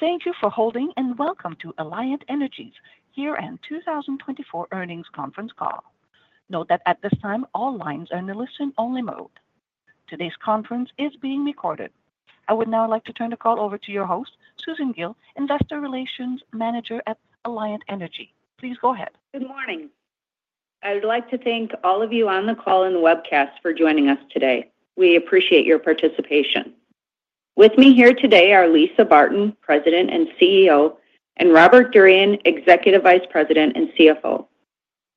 Thank you for holding and welcome to Alliant Energy's year-end 2024 earnings conference call. Note that at this time, all lines are in the listen-only mode. Today's conference is being recorded. I would now like to turn the call over to your host, Susan Gille, Investor Relations Manager at Alliant Energy. Please go ahead. Good morning. I would like to thank all of you on the call and the webcast for joining us today. We appreciate your participation. With me here today are Lisa Barton, President and CEO, and Robert Durian, Executive Vice President and CFO.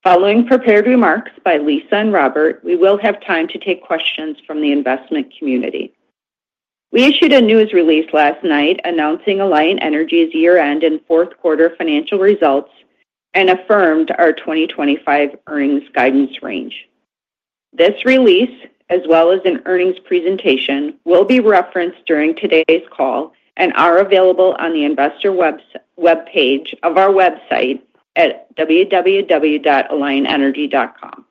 Following prepared remarks by Lisa and Robert, we will have time to take questions from the investment community. We issued a news release last night announcing Alliant Energy's year-end and fourth-quarter financial results and affirmed our 2025 earnings guidance range. This release, as well as an earnings presentation, will be referenced during today's call and are available on the investor web page of our website at www.alliantenergy.com.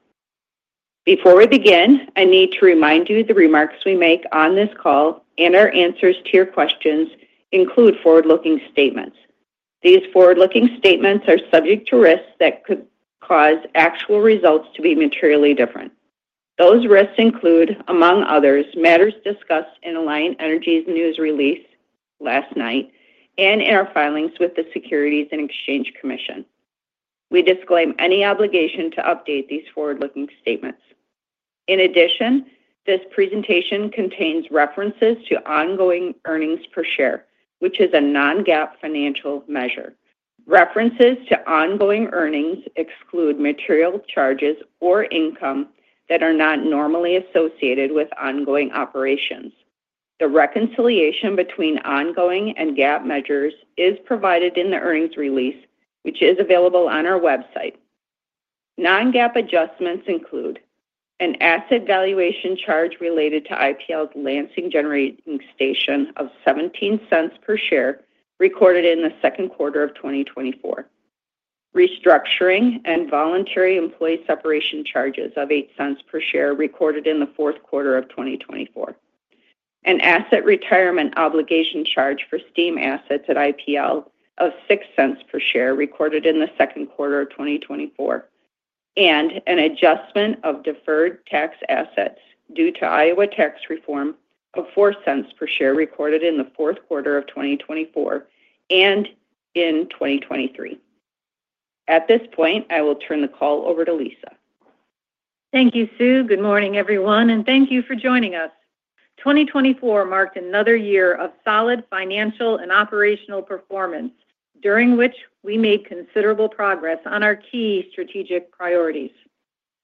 Before we begin, I need to remind you the remarks we make on this call and our answers to your questions include forward-looking statements. These forward-looking statements are subject to risks that could cause actual results to be materially different. Those risks include, among others, matters discussed in Alliant Energy's news release last night and in our filings with the Securities and Exchange Commission. We disclaim any obligation to update these forward-looking statements. In addition, this presentation contains references to ongoing earnings per share, which is a non-GAAP financial measure. References to ongoing earnings exclude material charges or income that are not normally associated with ongoing operations. The reconciliation between ongoing and GAAP measures is provided in the earnings release, which is available on our website. Non-GAAP adjustments include an asset valuation charge related to IPL's Lansing Generating Station of $0.17 per share recorded in the second quarter of 2024, restructuring and voluntary employee separation charges of $0.08 per share recorded in the fourth quarter of 2024, an asset retirement obligation charge for steam assets at IPL of $0.06 per share recorded in the second quarter of 2024, and an adjustment of deferred tax assets due to Iowa tax reform of $0.04 per share recorded in the fourth quarter of 2024 and in 2023. At this point, I will turn the call over to Lisa. Thank you, Sue. Good morning, everyone, and thank you for joining us. 2024 marked another year of solid financial and operational performance, during which we made considerable progress on our key strategic priorities.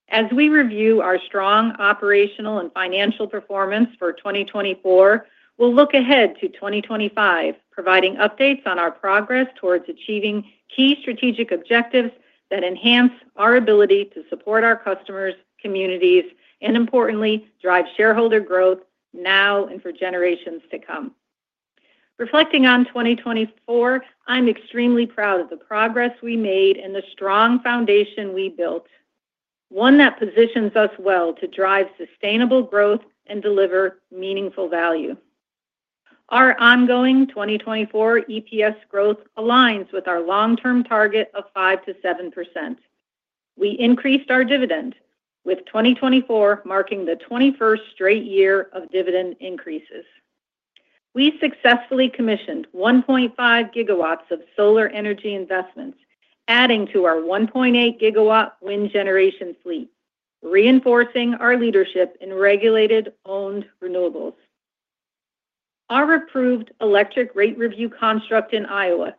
As we review our strong operational and financial performance for 2024, we'll look ahead to 2025, providing updates on our progress towards achieving key strategic objectives that enhance our ability to support our customers, communities, and, importantly, drive shareholder growth now and for generations to come. Reflecting on 2024, I'm extremely proud of the progress we made and the strong foundation we built, one that positions us well to drive sustainable growth and deliver meaningful value. Our ongoing 2024 EPS growth aligns with our long-term target of 5%-7%. We increased our dividend, with 2024 marking the 21st straight year of dividend increases. We successfully commissioned 1.5 gigawatts of solar energy investments, adding to our 1.8 gigawatt wind generation fleet, reinforcing our leadership in regulated-owned renewables. Our approved electric rate review construct in Iowa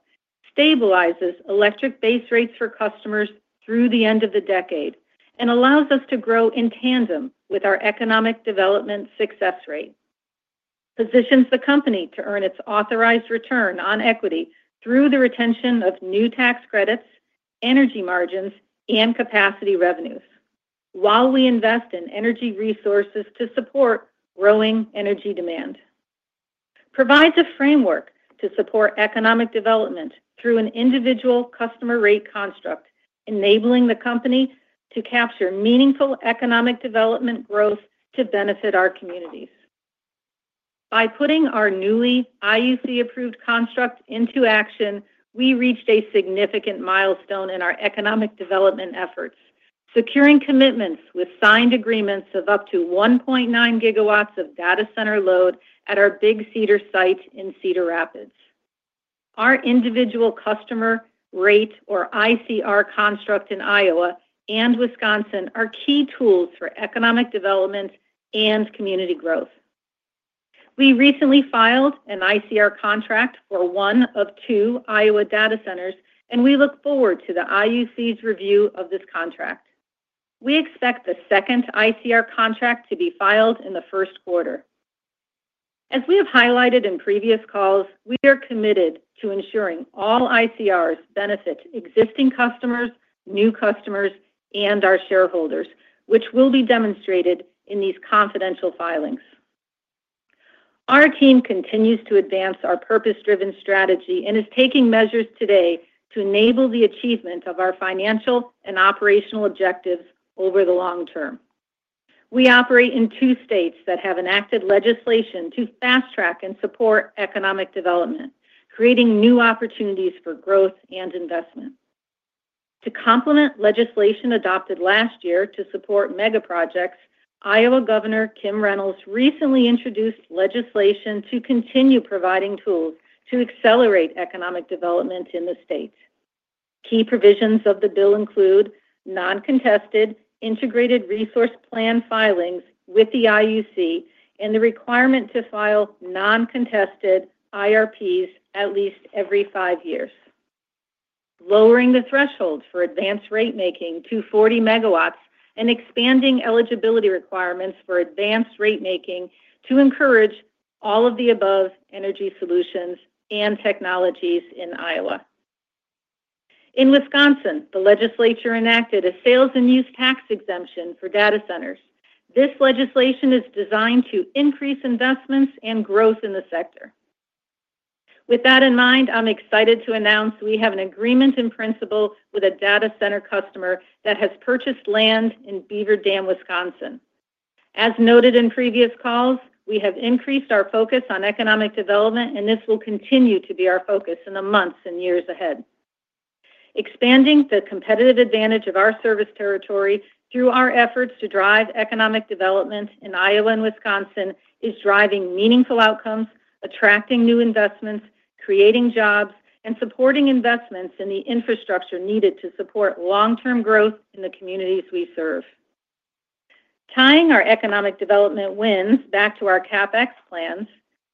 stabilizes electric base rates for customers through the end of the decade and allows us to grow in tandem with our economic development success rate. Positions the company to earn its authorized return on equity through the retention of new tax credits, energy margins, and capacity revenues, while we invest in energy resources to support growing energy demand. Provides a framework to support economic development through an individual customer rate construct, enabling the company to capture meaningful economic development growth to benefit our communities. By putting our newly IUC-approved construct into action, we reached a significant milestone in our economic development efforts, securing commitments with signed agreements of up to 1.9 gigawatts of data center load at our Big Cedar site in Cedar Rapids. Our individual customer rate, or ICR, construct in Iowa and Wisconsin are key tools for economic development and community growth. We recently filed an ICR contract for one of two Iowa data centers, and we look forward to the IUC's review of this contract. We expect the second ICR contract to be filed in the first quarter. As we have highlighted in previous calls, we are committed to ensuring all ICRs benefit existing customers, new customers, and our shareholders, which will be demonstrated in these confidential filings. Our team continues to advance our purpose-driven strategy and is taking measures today to enable the achievement of our financial and operational objectives over the long term. We operate in two states that have enacted legislation to fast-track and support economic development, creating new opportunities for growth and investment. To complement legislation adopted last year to support mega projects, Iowa Governor Kim Reynolds recently introduced legislation to continue providing tools to accelerate economic development in the state. Key provisions of the bill include non-contested integrated resource plan filings with the IUC and the requirement to file non-contested IRPs at least every five years, lowering the threshold for advanced rate-making to 40 megawatts, and expanding eligibility requirements for advanced rate-making to encourage all of the above energy solutions and technologies in Iowa. In Wisconsin, the legislature enacted a sales and use tax exemption for data centers. This legislation is designed to increase investments and growth in the sector. With that in mind, I'm excited to announce we have an agreement in principle with a data center customer that has purchased land in Beaver Dam, Wisconsin. As noted in previous calls, we have increased our focus on economic development, and this will continue to be our focus in the months and years ahead. Expanding the competitive advantage of our service territory through our efforts to drive economic development in Iowa and Wisconsin is driving meaningful outcomes, attracting new investments, creating jobs, and supporting investments in the infrastructure needed to support long-term growth in the communities we serve. Tying our economic development wins back to our CapEx plans,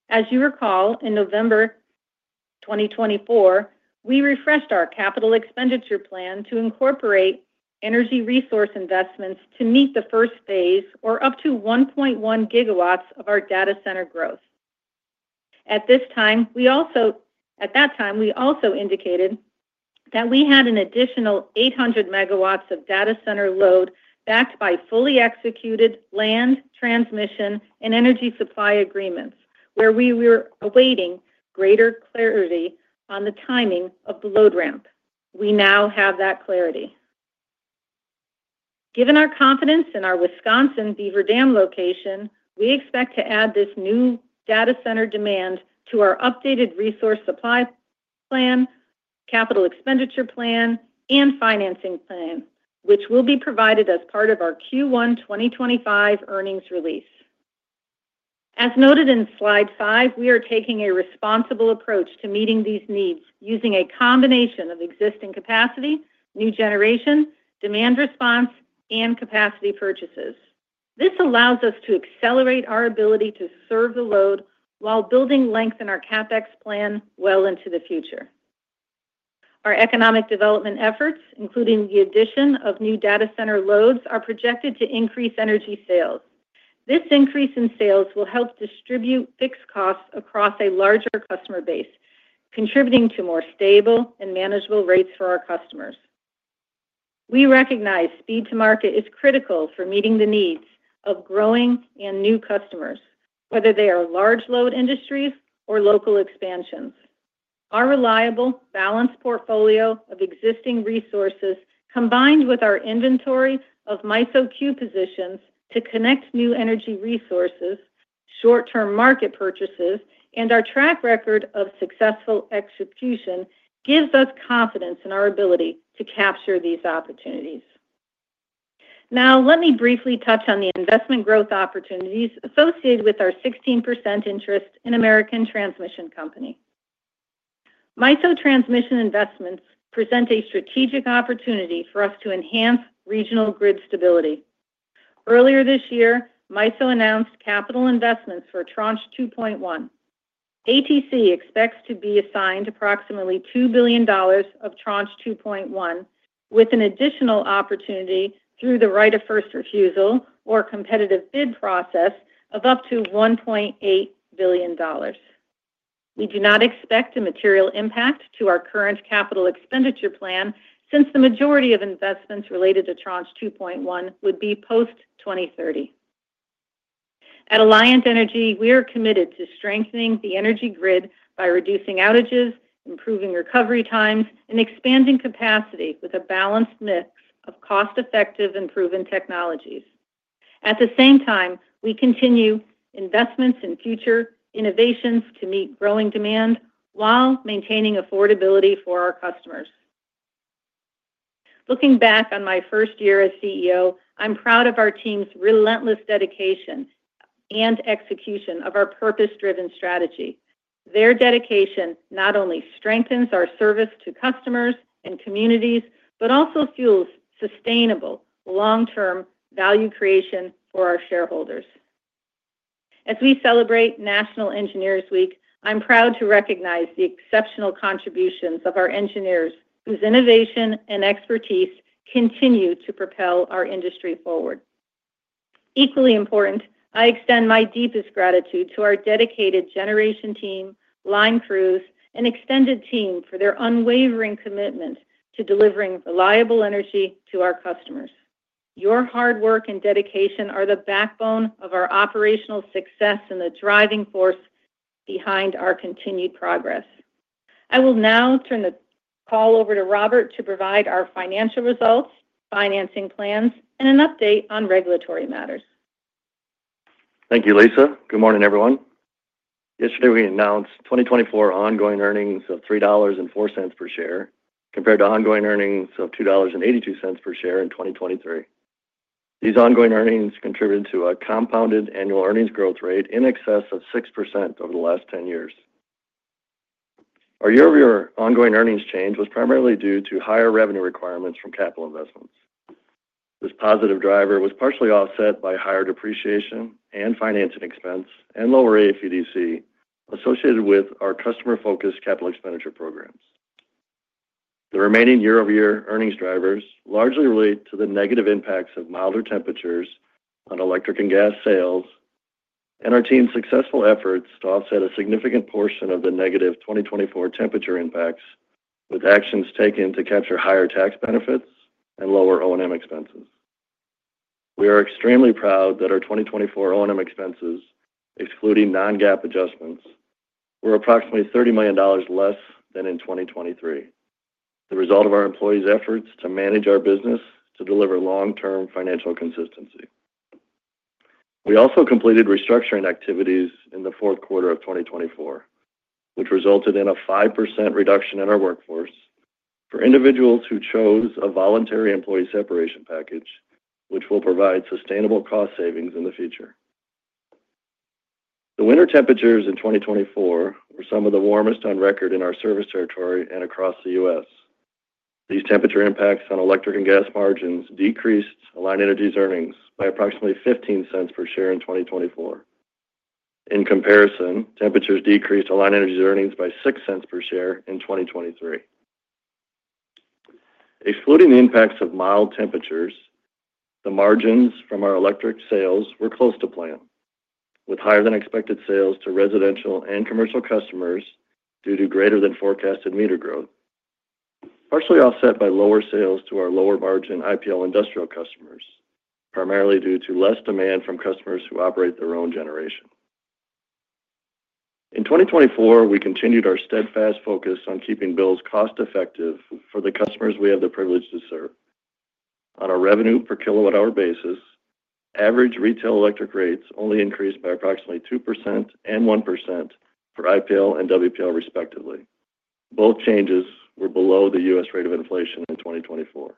as you recall, in November 2024, we refreshed our capital expenditure plan to incorporate energy resource investments to meet the first phase or up to 1.1 gigawatts of our data center growth. At this time, at that time, we also indicated that we had an additional 800 megawatts of data center load backed by fully executed land transmission and energy supply agreements, where we were awaiting greater clarity on the timing of the load ramp. We now have that clarity. Given our confidence in our Beaver Dam, Wisconsin location, we expect to add this new data center demand to our updated resource supply plan, capital expenditure plan, and financing plan, which will be provided as part of our Q1 2025 earnings release. As noted in slide 5, we are taking a responsible approach to meeting these needs using a combination of existing capacity, new generation, demand response, and capacity purchases. This allows us to accelerate our ability to serve the load while building length in our CapEx plan well into the future. Our economic development efforts, including the addition of new data center loads, are projected to increase energy sales. This increase in sales will help distribute fixed costs across a larger customer base, contributing to more stable and manageable rates for our customers. We recognize speed to market is critical for meeting the needs of growing and new customers, whether they are large load industries or local expansions. Our reliable, balanced portfolio of existing resources, combined with our inventory of MISO Queue positions to connect new energy resources, short-term market purchases, and our track record of successful execution, gives us confidence in our ability to capture these opportunities. Now, let me briefly touch on the investment growth opportunities associated with our 16% interest in American Transmission Company. MISO Transmission Investments present a strategic opportunity for us to enhance regional grid stability. Earlier this year, MISO announced capital investments for Tranche 2.1. ATC expects to be assigned approximately $2 billion of Tranche 2.1, with an additional opportunity through the right of first refusal or competitive bid process of up to $1.8 billion. We do not expect a material impact to our current capital expenditure plan since the majority of investments related to Tranche 2.1 would be post-2030. At Alliant Energy, we are committed to strengthening the energy grid by reducing outages, improving recovery times, and expanding capacity with a balanced mix of cost-effective and proven technologies. At the same time, we continue investments in future innovations to meet growing demand while maintaining affordability for our customers. Looking back on my first year as CEO, I'm proud of our team's relentless dedication and execution of our purpose-driven strategy. Their dedication not only strengthens our service to customers and communities, but also fuels sustainable, long-term value creation for our shareholders. As we celebrate National Engineers Week, I'm proud to recognize the exceptional contributions of our engineers, whose innovation and expertise continue to propel our industry forward. Equally important, I extend my deepest gratitude to our dedicated generation team, line crews, and extended team for their unwavering commitment to delivering reliable energy to our customers. Your hard work and dedication are the backbone of our operational success and the driving force behind our continued progress. I will now turn the call over to Robert to provide our financial results, financing plans, and an update on regulatory matters. Thank you, Lisa. Good morning, everyone. Yesterday, we announced 2024 ongoing earnings of $3.04 per share compared to ongoing earnings of $2.82 per share in 2023. These ongoing earnings contributed to a compounded annual earnings growth rate in excess of 6% over the last 10 years. Our year-over-year ongoing earnings change was primarily due to higher revenue requirements from capital investments. This positive driver was partially offset by higher depreciation and financing expense and lower AFEDC associated with our customer-focused capital expenditure programs. The remaining year-over-year earnings drivers largely relate to the negative impacts of milder temperatures on electric and gas sales and our team's successful efforts to offset a significant portion of the negative 2024 temperature impacts with actions taken to capture higher tax benefits and lower O&M expenses. We are extremely proud that our 2024 O&M expenses, excluding non-GAAP adjustments, were approximately $30 million less than in 2023, the result of our employees' efforts to manage our business to deliver long-term financial consistency. We also completed restructuring activities in the fourth quarter of 2024, which resulted in a 5% reduction in our workforce for individuals who chose a voluntary employee separation package, which will provide sustainable cost savings in the future. The winter temperatures in 2024 were some of the warmest on record in our service territory and across the U.S. These temperature impacts on electric and gas margins decreased Alliant Energy's earnings by approximately $0.15 per share in 2024. In comparison, temperatures decreased Alliant Energy's earnings by $0.06 per share in 2023. Excluding the impacts of mild temperatures, the margins from our electric sales were close to plan, with higher than expected sales to residential and commercial customers due to greater than forecasted meter growth, partially offset by lower sales to our lower-margin IPL industrial customers, primarily due to less demand from customers who operate their own generation. In 2024, we continued our steadfast focus on keeping bills cost-effective for the customers we have the privilege to serve. On a revenue-per-kilowatt-hour basis, average retail electric rates only increased by approximately 2% and 1% for IPL and WPL, respectively. Both changes were below the U.S. rate of inflation in 2024,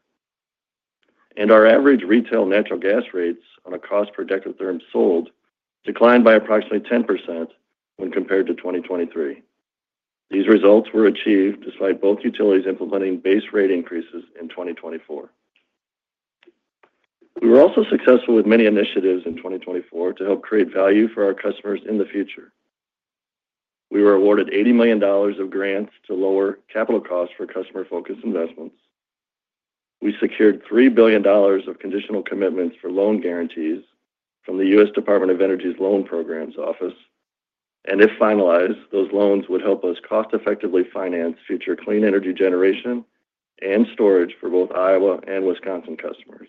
and our average retail natural gas rates on a cost per dekatherm sold declined by approximately 10% when compared to 2023. These results were achieved despite both utilities implementing base rate increases in 2024. We were also successful with many initiatives in 2024 to help create value for our customers in the future. We were awarded $80 million of grants to lower capital costs for customer-focused investments. We secured $3 billion of conditional commitments for loan guarantees from the U.S. Department of Energy's Loan Programs Office, and if finalized, those loans would help us cost-effectively finance future clean energy generation and storage for both Iowa and Wisconsin customers.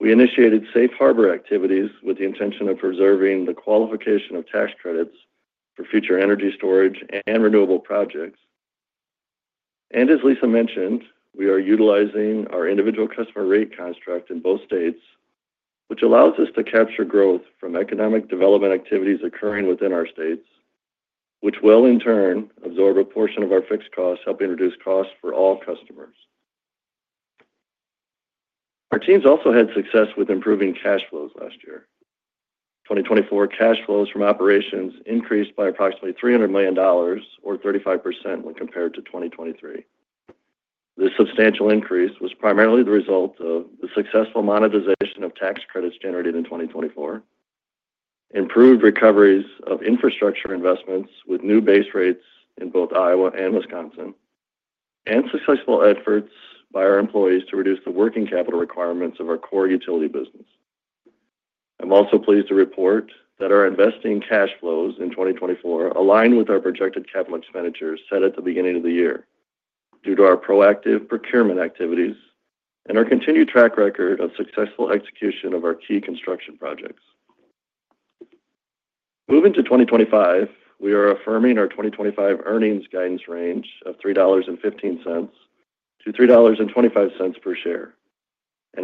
We initiated safe harbor activities with the intention of preserving the qualification of tax credits for future energy storage and renewable projects, and as Lisa mentioned, we are utilizing our individual customer rate construct in both states, which allows us to capture growth from economic development activities occurring within our states, which will, in turn, absorb a portion of our fixed costs, helping reduce costs for all customers. Our teams also had success with improving cash flows last year. 2024 cash flows from operations increased by approximately $300 million, or 35% when compared to 2023. This substantial increase was primarily the result of the successful monetization of tax credits generated in 2024, improved recoveries of infrastructure investments with new base rates in both Iowa and Wisconsin, and successful efforts by our employees to reduce the working capital requirements of our core utility business. I'm also pleased to report that our investing cash flows in 2024 aligned with our projected capital expenditures set at the beginning of the year due to our proactive procurement activities and our continued track record of successful execution of our key construction projects. Moving to 2025, we are affirming our 2025 earnings guidance range of $3.15-$3.25 per share.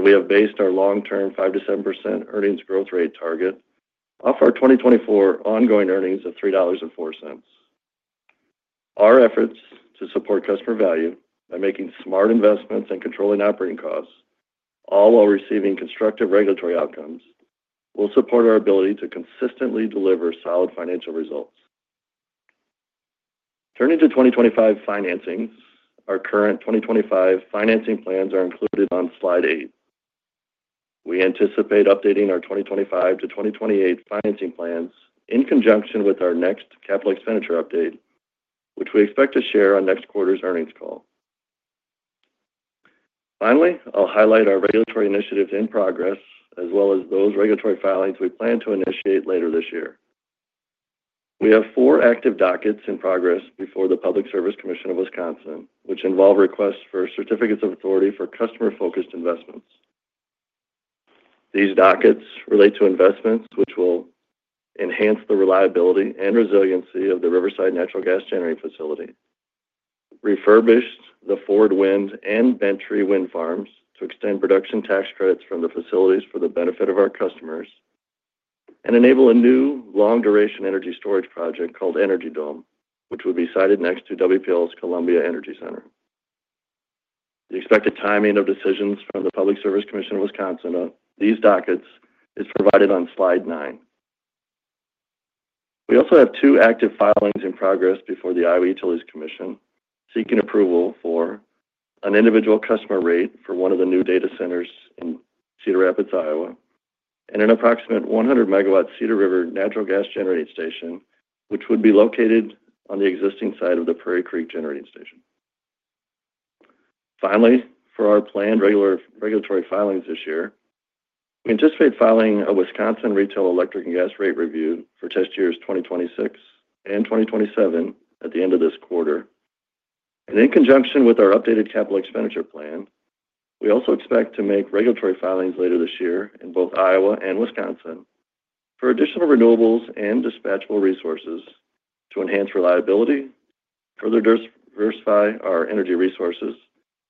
We have based our long-term 5%-7% earnings growth rate target off our 2024 ongoing earnings of $3.04. Our efforts to support customer value by making smart investments and controlling operating costs, all while receiving constructive regulatory outcomes, will support our ability to consistently deliver solid financial results. Turning to 2025 financings, our current 2025 financing plans are included on slide eight. We anticipate updating our 2025-2028 financing plans in conjunction with our next capital expenditure update, which we expect to share on next quarter's earnings call. Finally, I'll highlight our regulatory initiatives in progress, as well as those regulatory filings we plan to initiate later this year. We have four active dockets in progress before the Public Service Commission of Wisconsin, which involve requests for certificates of authority for customer-focused investments. These dockets relate to investments which will enhance the reliability and resiliency of the Riverside Energy Center, refurbish the Forward Wind and Bent Tree Wind Farms to extend production tax credits from the facilities for the benefit of our customers, and enable a new long-duration energy storage project called Energy Dome, which would be sited next to WPL's Columbia Energy Center. The expected timing of decisions from the Public Service Commission of Wisconsin on these dockets is provided on slide 9. We also have two active filings in progress before the Iowa Utilities Commission seeking approval for an individual customer rate for one of the new data centers in Cedar Rapids, Iowa, and an approximate 100-megawatt Cedar River Generating Station, which would be located on the existing site of the Prairie Creek Generating Station. Finally, for our planned regulatory filings this year, we anticipate filing a Wisconsin retail electric and gas rate review for test years 2026 and 2027 at the end of this quarter. And in conjunction with our updated capital expenditure plan, we also expect to make regulatory filings later this year in both Iowa and Wisconsin for additional renewables and dispatchable resources to enhance reliability, further diversify our energy resources,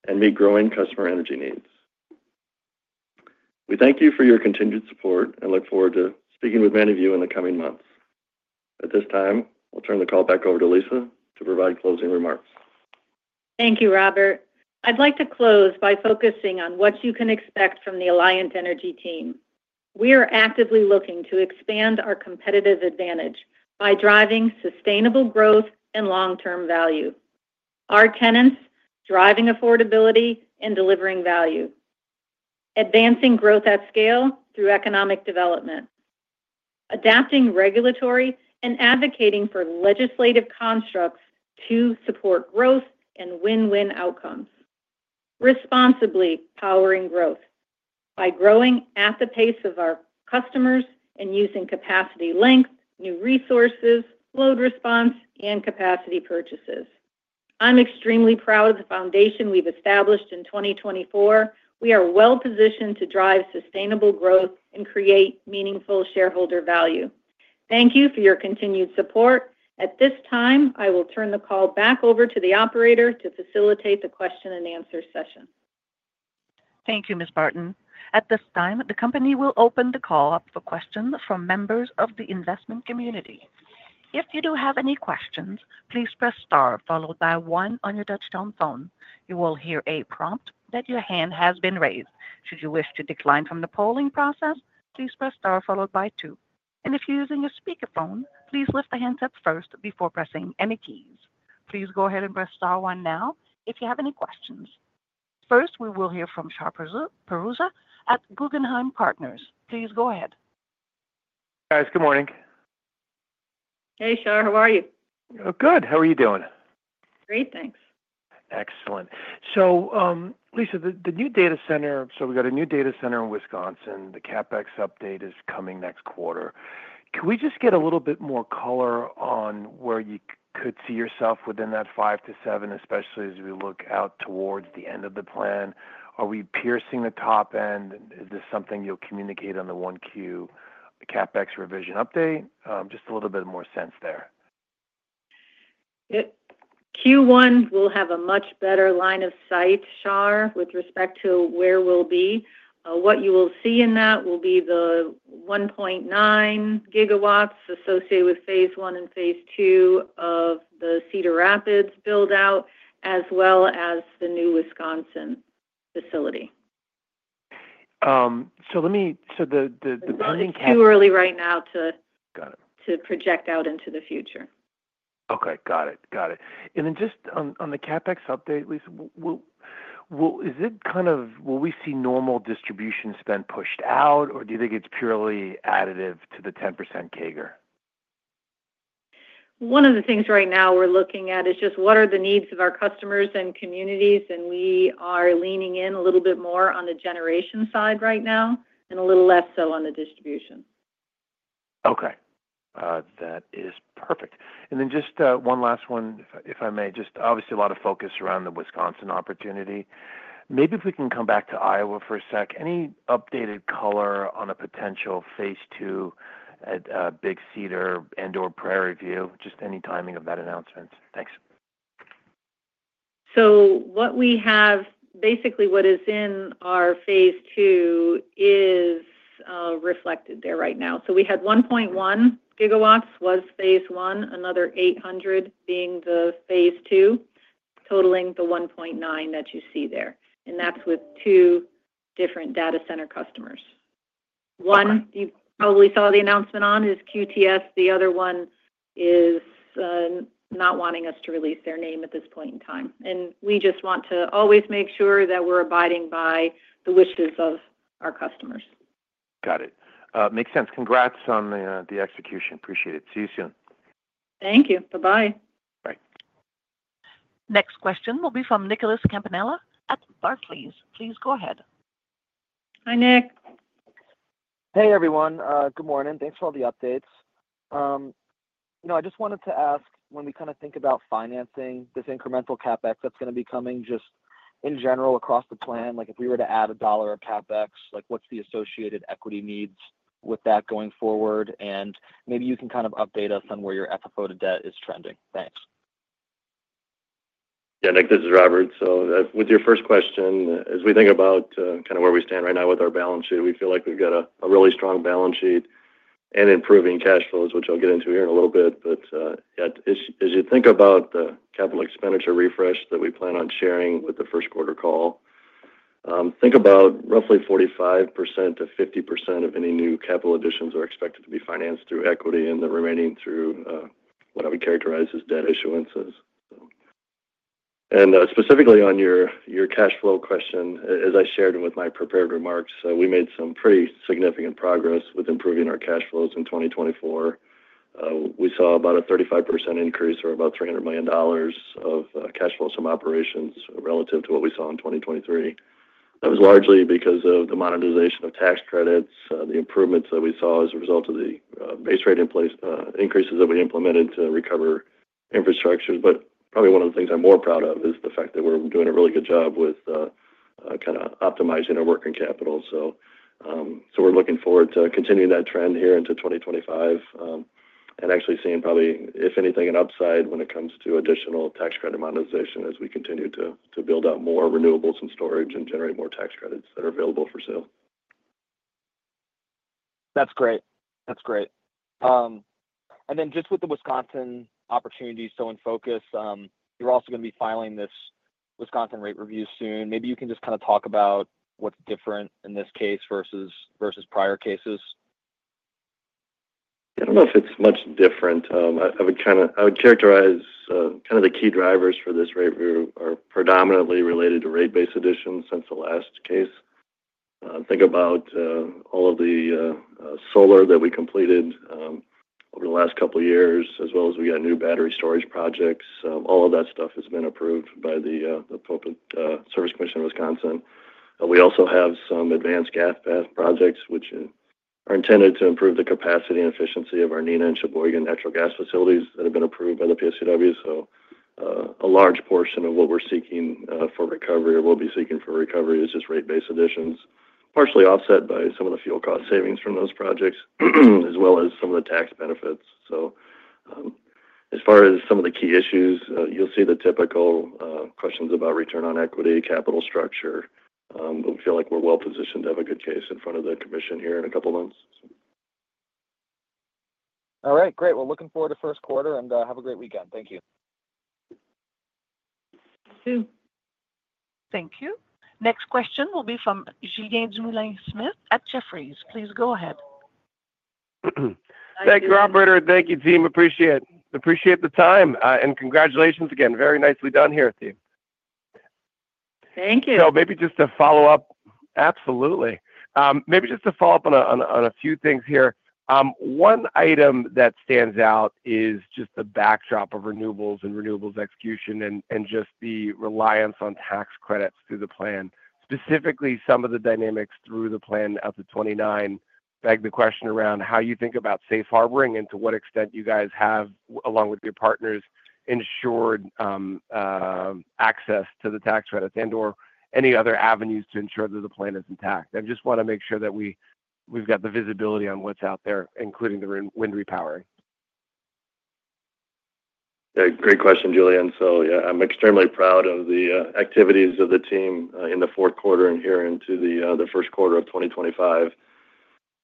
and meet growing customer energy needs. We thank you for your continued support and look forward to speaking with many of you in the coming months. At this time, I'll turn the call back over to Lisa to provide closing remarks. Thank you, Robert. I'd like to close by focusing on what you can expect from the Alliant Energy team. We are actively looking to expand our competitive advantage by driving sustainable growth and long-term value. Our tenets: driving affordability and delivering value, advancing growth at scale through economic development, adapting regulatory, and advocating for legislative constructs to support growth and win-win outcomes. Responsibly powering growth by growing at the pace of our customers and using capacity length, new resources, load response, and capacity purchases. I'm extremely proud of the foundation we've established in 2024. We are well-positioned to drive sustainable growth and create meaningful shareholder value. Thank you for your continued support. At this time, I will turn the call back over to the operator to facilitate the question and answer session. Thank you, Ms. Barton. At this time, the company will open the call up for questions from members of the investment community. If you do have any questions, please press star followed by one on your touch-tone phone. You will hear a prompt that your hand has been raised. Should you wish to decline from the polling process, please press star followed by two. And if you're using a speakerphone, please lift the handset up first before pressing any keys. Please go ahead and press star one now if you have any questions. First, we will hear from Shahriar Pourreza at Guggenheim Partners. Please go ahead. Guys, good morning. Hey, Shahriar. How are you? Good. How are you doing? Great. Thanks. Excellent. So, Lisa, the new data center, so we've got a new data center in Wisconsin. The CapEx update is coming next quarter. Can we just get a little bit more color on where you could see yourself within that five to seven, especially as we look out towards the end of the plan? Are we piercing the top end? Is this something you'll communicate on the 1Q, the CapEx revision update? Just a little bit more sense there. Q1 will have a much better line of sight, Shahriar, with respect to where we'll be. What you will see in that will be the 1.9 gigawatts associated with phase one and phase two of the Cedar Rapids buildout, as well as the new Wisconsin facility. The pending CapEx. It's too early right now to project out into the future. Okay. Got it. Got it. And then just on the CapEx update, Lisa, is it kind of will we see normal distribution spend pushed out, or do you think it's purely additive to the 10% CAGR? One of the things right now we're looking at is just what are the needs of our customers and communities? And we are leaning in a little bit more on the generation side right now and a little less so on the distribution. Okay. That is perfect. And then just one last one, if I may. Just obviously a lot of focus around the Wisconsin opportunity. Maybe if we can come back to Iowa for a sec. Any updated color on a potential phase two at Big Cedar and/or Prairie Creek? Just any timing of that announcement. Thanks. So what we have basically what is in our phase two is reflected there right now. So we had 1.1 gigawatts was phase one, another 800 being the phase II, totaling the 1.9 that you see there. And that's with two different data center customers. One you probably saw the announcement on is QTS. The other one is not wanting us to release their name at this point in time. And we just want to always make sure that we're abiding by the wishes of our customers. Got it. Makes sense. Congrats on the execution. Appreciate it. See you soon. Thank you. Bye-bye. Bye. Next question will be from Nicholas Campanella at Barclays. Please go ahead. Hi, Nick. Hey, everyone. Good morning. Thanks for all the updates. I just wanted to ask, when we kind of think about financing this incremental CapEx that's going to be coming just in general across the plan, if we were to add $1 of CapEx, what's the associated equity needs with that going forward? And maybe you can kind of update us on where your FFO to debt is trending. Thanks. Yeah. Nick, this is Robert. So with your first question, as we think about kind of where we stand right now with our balance sheet, we feel like we've got a really strong balance sheet and improving cash flows, which I'll get into here in a little bit. But as you think about the capital expenditure refresh that we plan on sharing with the first quarter call, think about roughly 45%-50% of any new capital additions are expected to be financed through equity and the remaining through what I would characterize as debt issuances. And specifically on your cash flow question, as I shared with my prepared remarks, we made some pretty significant progress with improving our cash flows in 2024. We saw about a 35% increase or about $300 million of cash flows from operations relative to what we saw in 2023. That was largely because of the monetization of tax credits, the improvements that we saw as a result of the base rate increases that we implemented to recover infrastructure, but probably one of the things I'm more proud of is the fact that we're doing a really good job with kind of optimizing our working capital, so we're looking forward to continuing that trend here into 2025 and actually seeing probably, if anything, an upside when it comes to additional tax credit monetization as we continue to build out more renewables and storage and generate more tax credits that are available for sale. That's great. That's great. And then just with the Wisconsin opportunity still in focus, you're also going to be filing this Wisconsin rate review soon. Maybe you can just kind of talk about what's different in this case versus prior cases. Yeah. I don't know if it's much different. I would characterize kind of the key drivers for this rate are predominantly related to rate base additions since the last case. Think about all of the solar that we completed over the last couple of years, as well as we got new battery storage projects. All of that stuff has been approved by the Public Service Commission of Wisconsin. We also have some advanced gas projects which are intended to improve the capacity and efficiency of our Neenah and Sheboygan natural gas facilities that have been approved by the PSCW. So a large portion of what we're seeking for recovery or will be seeking for recovery is just rate base additions, partially offset by some of the fuel cost savings from those projects, as well as some of the tax benefits. So as far as some of the key issues, you'll see the typical questions about Return on Equity, capital structure. But we feel like we're well-positioned to have a good case in front of the commission here in a couple of months. All right. Great. Well, looking forward to first quarter and have a great weekend. Thank you. You too. Thank you. Next question will be from Julien Dumoulin-Smith at Jefferies. Please go ahead. Thank you, Robert. And thank you, team. Appreciate the time. And congratulations again. Very nicely done here, team. Thank you. So maybe just to follow up. Absolutely. Maybe just to follow up on a few things here. One item that stands out is just the backdrop of renewables and renewables execution and just the reliance on tax credits through the plan, specifically some of the dynamics through the plan of the 2029. It begs the question around how you think about safe harbor and to what extent you guys have, along with your partners, ensured access to the tax credits and/or any other avenues to ensure that the plan is intact. I just want to make sure that we've got the visibility on what's out there, including the wind repowering. Yeah. Great question, Julian. So yeah, I'm extremely proud of the activities of the team in the fourth quarter and here into the first quarter of 2025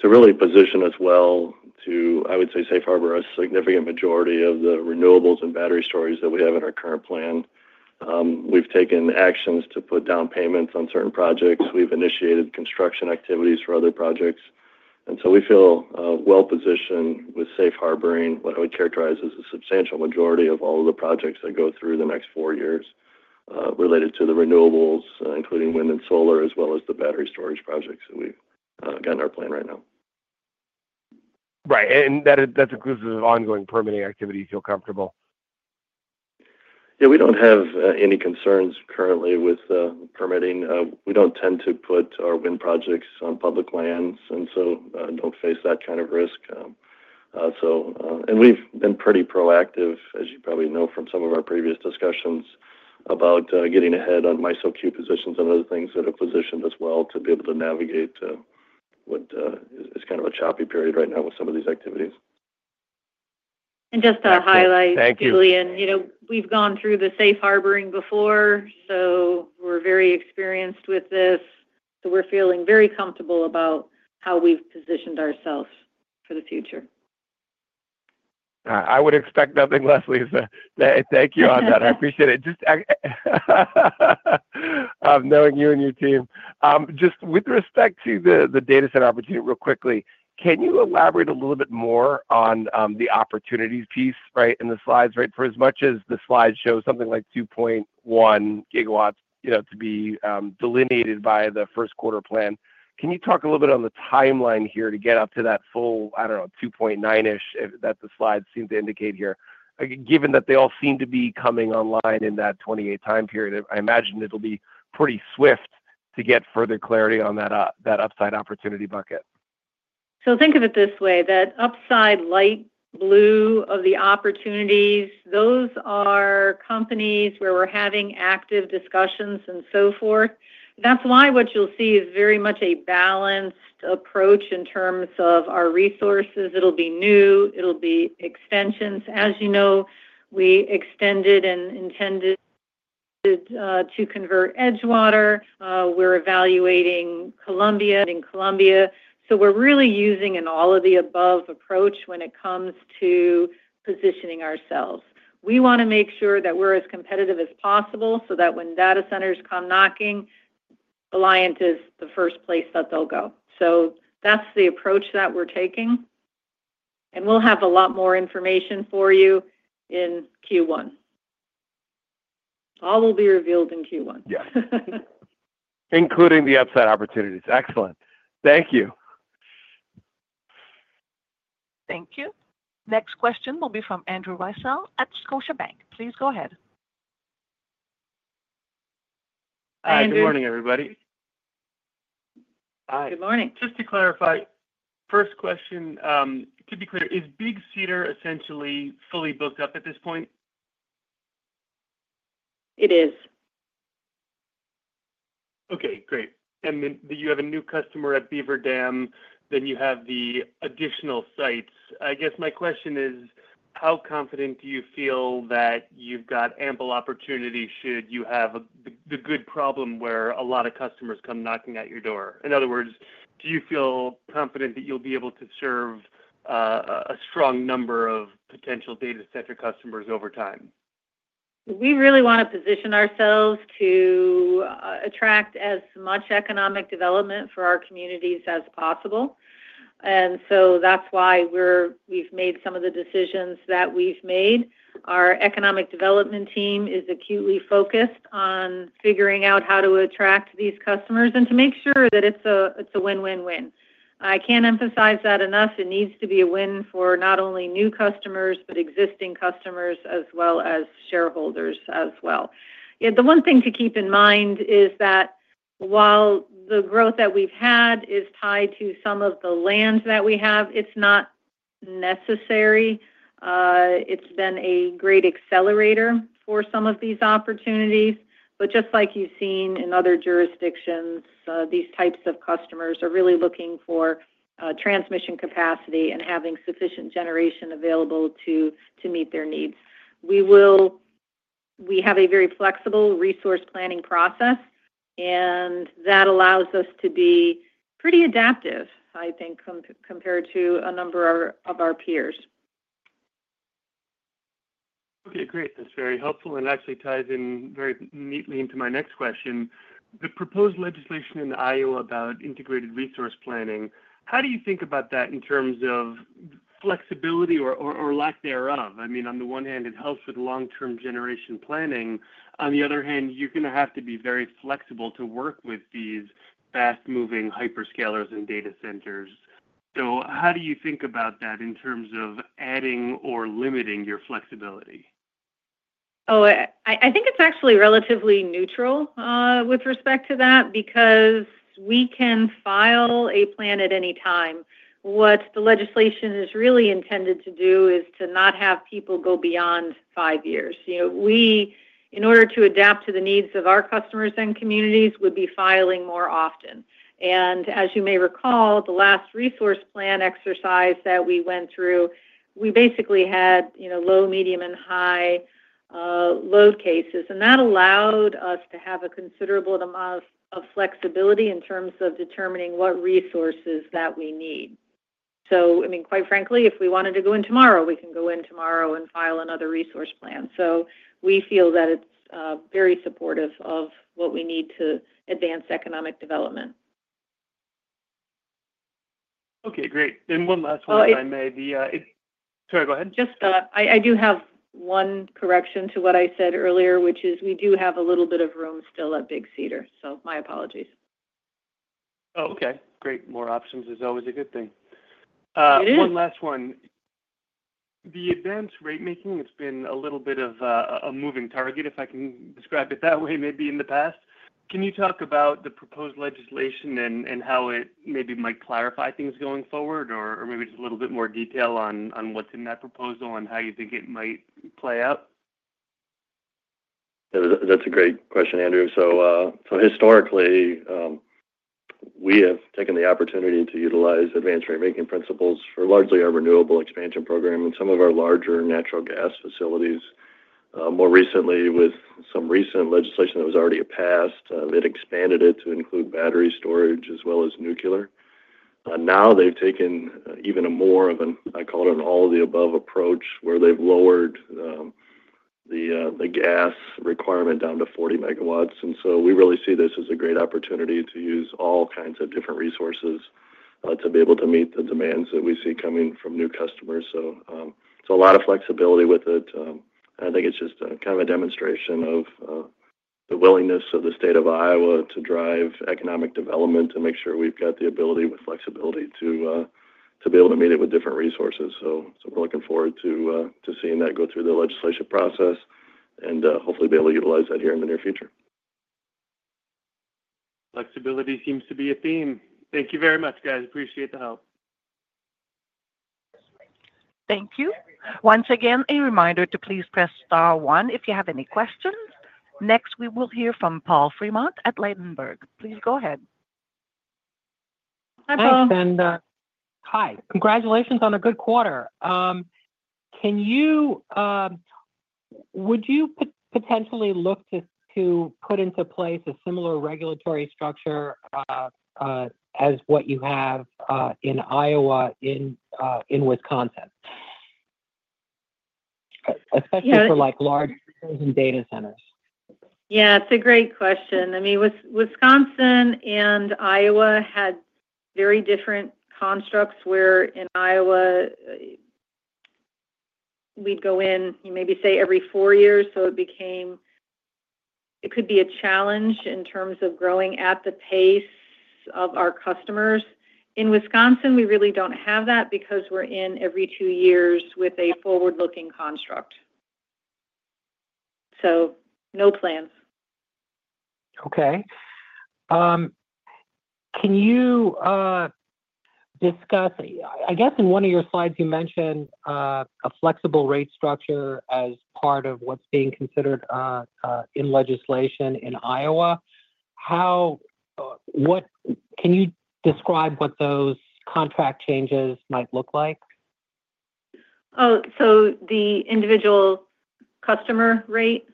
to really position us well to, I would say, safe harbor a significant majority of the renewables and battery storage that we have in our current plan. We've taken actions to put down payments on certain projects. We've initiated construction activities for other projects. And so we feel well-positioned with safe harboring, what I would characterize as a substantial majority of all of the projects that go through the next four years related to the renewables, including wind and solar, as well as the battery storage projects that we've got in our plan right now. Right. And that's inclusive of ongoing permitting activity. You feel comfortable. Yeah. We don't have any concerns currently with permitting. We don't tend to put our wind projects on public lands, and so don't face that kind of risk, and we've been pretty proactive, as you probably know from some of our previous discussions, about getting ahead on MISO queue positions and other things that have positioned us well to be able to navigate what is kind of a choppy period right now with some of these activities. Just to highlight. Thank you. Julien, we've gone through the safe harbor before, so we're very comfortable about how we've positioned ourselves for the future. I would expect nothing less, Lisa. Thank you on that. I appreciate it. Just knowing you and your team. Just with respect to the data center opportunity, real quickly, can you elaborate a little bit more on the opportunities piece, right, in the slides? Right. For as much as the slides show something like 2.1 gigawatts to be delineated by the first quarter plan, can you talk a little bit on the timeline here to get up to that full, I don't know, 2.9-ish that the slides seem to indicate here? Given that they all seem to be coming online in that 2028 time period, I imagine it'll be pretty swift to get further clarity on that upside opportunity bucket. So think of it this way. That upside light blue of the opportunities, those are companies where we're having active discussions and so forth. That's why what you'll see is very much a balanced approach in terms of our resources. It'll be new. It'll be extensions. As you know, we extended and intended to convert Edgewater. We're evaluating Columbia. So we're really using an all-of-the-above approach when it comes to positioning ourselves. We want to make sure that we're as competitive as possible so that when data centers come knocking, Alliant is the first place that they'll go. So that's the approach that we're taking. And we'll have a lot more information for you in Q1. All will be revealed in Q1. Yeah. Including the upside opportunities. Excellent. Thank you. Thank you. Next question will be from Andrew Weisel at Scotiabank. Please go ahead. Hi, Andrew. Good morning, everybody. Hi. Good morning. Just to clarify, first question, to be clear, is Big Cedar essentially fully booked up at this point? It is. Okay. Great. And then you have a new customer at Beaver Dam, then you have the additional sites. I guess my question is, how confident do you feel that you've got ample opportunity should you have the good problem where a lot of customers come knocking at your door? In other words, do you feel confident that you'll be able to serve a strong number of potential data center customers over time? We really want to position ourselves to attract as much economic development for our communities as possible, and so that's why we've made some of the decisions that we've made. Our economic development team is acutely focused on figuring out how to attract these customers and to make sure that it's a win-win-win. I can't emphasize that enough. It needs to be a win for not only new customers, but existing customers as well as shareholders as well. Yeah. The one thing to keep in mind is that while the growth that we've had is tied to some of the land that we have, it's not necessary. It's been a great accelerator for some of these opportunities, but just like you've seen in other jurisdictions, these types of customers are really looking for transmission capacity and having sufficient generation available to meet their needs. We have a very flexible resource planning process, and that allows us to be pretty adaptive, I think, compared to a number of our peers. Okay. Great. That's very helpful. And actually ties in very neatly into my next question. The proposed legislation in Iowa about integrated resource planning, how do you think about that in terms of flexibility or lack thereof? I mean, on the one hand, it helps with long-term generation planning. On the other hand, you're going to have to be very flexible to work with these fast-moving hyperscalers and data centers. So how do you think about that in terms of adding or limiting your flexibility? Oh, I think it's actually relatively neutral with respect to that because we can file a plan at any time. What the legislation is really intended to do is to not have people go beyond five years. We, in order to adapt to the needs of our customers and communities, would be filing more often, and as you may recall, the last resource plan exercise that we went through, we basically had low, medium, and high load cases, and that allowed us to have a considerable amount of flexibility in terms of determining what resources that we need, so I mean, quite frankly, if we wanted to go in tomorrow, we can go in tomorrow and file another resource plan, so we feel that it's very supportive of what we need to advance economic development. Okay. Great, and one last one, if I may. Oh, it's. Sorry. Go ahead. Just, I do have one correction to what I said earlier, which is we do have a little bit of room still at Big Cedar. So, my apologies. Oh, okay. Great. More options is always a good thing. It is. One last one. The advanced rate-making, it's been a little bit of a moving target, if I can describe it that way, maybe in the past. Can you talk about the proposed legislation and how it maybe might clarify things going forward, or maybe just a little bit more detail on what's in that proposal and how you think it might play out? That's a great question, Andrew. So historically, we have taken the opportunity to utilize advanced rate-making principles for largely our renewable expansion program and some of our larger natural gas facilities. More recently, with some recent legislation that was already passed, they've expanded it to include battery storage as well as nuclear. Now they've taken even more of an, I call it, an all-of-the-above approach, where they've lowered the gas requirement down to 40 megawatts. And so we really see this as a great opportunity to use all kinds of different resources to be able to meet the demands that we see coming from new customers. So it's a lot of flexibility with it. And I think it's just kind of a demonstration of the willingness of the state of Iowa to drive economic development to make sure we've got the ability with flexibility to be able to meet it with different resources. So we're looking forward to seeing that go through the legislation process and hopefully be able to utilize that here in the near future. Flexibility seems to be a theme. Thank you very much, guys. Appreciate the help. Thank you. Once again, a reminder to please press star one if you have any questions. Next, we will hear from Paul Fremont at Ladenburg. Please go ahead. Hi, Paul. Hi. Congratulations on a good quarter. Would you potentially look to put into place a similar regulatory structure as what you have in Iowa in Wisconsin, especially for large data centers? Yeah. It's a great question. I mean, Wisconsin and Iowa had very different constructs where in Iowa, we'd go in, maybe say, every four years. So it could be a challenge in terms of growing at the pace of our customers. In Wisconsin, we really don't have that because we're in every two years with a forward-looking construct. So no plans. Okay. Can you discuss I guess in one of your slides, you mentioned a flexible rate structure as part of what's being considered in legislation in Iowa? Can you describe what those contract changes might look like? Oh, so the individual customer rate?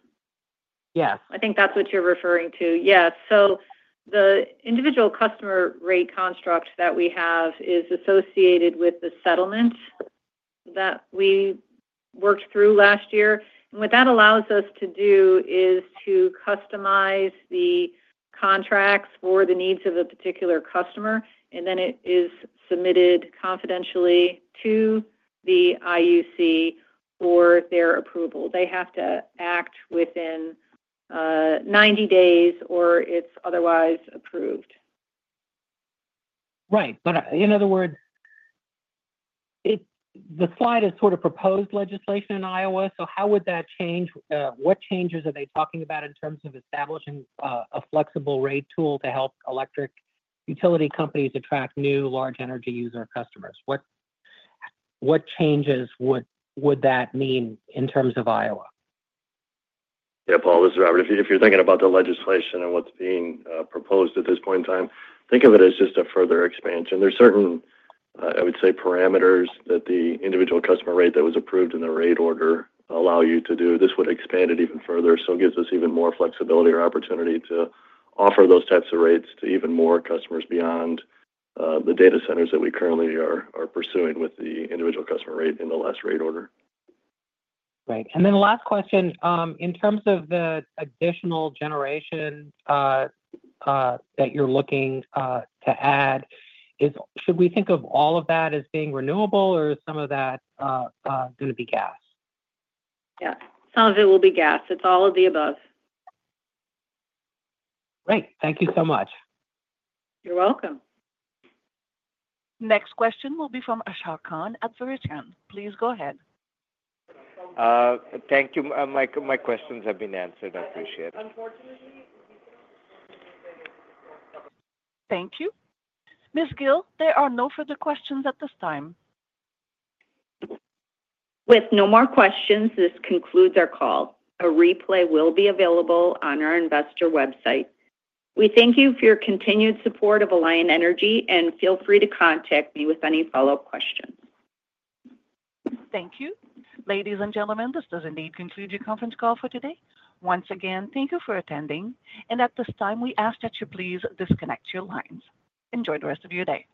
Yes. I think that's what you're referring to. Yes, so the individual customer rate construct that we have is associated with the settlement that we worked through last year, and what that allows us to do is to customize the contracts for the needs of a particular customer, and then it is submitted confidentially to the IUC for their approval. They have to act within 90 days or it's otherwise approved. Right. But in other words, the slide is sort of proposed legislation in Iowa. So how would that change? What changes are they talking about in terms of establishing a flexible rate tool to help electric utility companies attract new large energy user customers? What changes would that mean in terms of Iowa? Yeah. Paul, this is Robert. If you're thinking about the legislation and what's being proposed at this point in time, think of it as just a further expansion. There's certain, I would say, parameters that the individual customer rate that was approved in the rate order allow you to do. This would expand it even further. So it gives us even more flexibility or opportunity to offer those types of rates to even more customers beyond the data centers that we currently are pursuing with the individual customer rate in the last rate order. Right. And then, last question. In terms of the additional generation that you're looking to add, should we think of all of that as being renewable, or is some of that going to be gas? Yeah. Some of it will be gas. It's all of the above. Great. Thank you so much. You're welcome. Next question will be from Ashar Khan at Verition. Please go ahead. Thank you. My questions have been answered. I appreciate it. Thank you. Ms. Gille, there are no further questions at this time. With no more questions, this concludes our call. A replay will be available on our investor website. We thank you for your continued support of Alliant Energy, and feel free to contact me with any follow-up questions. Thank you. Ladies and gentlemen, this does indeed conclude your conference call for today. Once again, thank you for attending. And at this time, we ask that you please disconnect your lines. Enjoy the rest of your day.